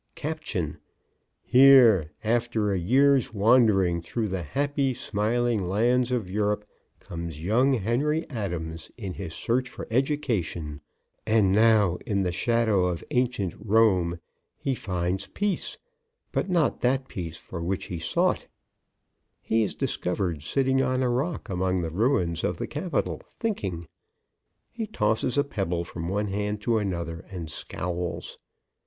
Caption: "HERE, AFTER A YEAR'S WANDERING THROUGH THE HAPPY, SMILING LANDS OF EUROPE, COMES YOUNG HENRY ADAMS IN HIS SEARCH FOR EDUCATION. AND NOW, IN THE SHADOW OF ANCIENT ROME, HE FINDS PEACE, BUT NOT THAT PEACE FOR WHICH HE SOUGHT." [Illustration: "Thrilling moment in 'The Education of Henry Adams.'"] He is discovered sitting on a rock among the ruins of the Capitol, thinking. He tosses a pebble from one hand to another and scowls.